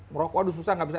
merokok aduh susah nggak bisa